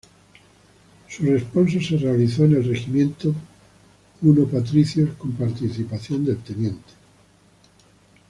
Su responso se realizó en el Regimiento I Patricios, con participación del Tte.